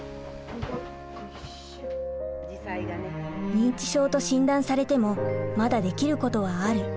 認知症と診断されてもまだできることはある。